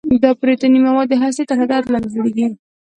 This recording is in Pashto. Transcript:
دا پروتیني مواد د هستې تر هدایت لاندې جوړیږي.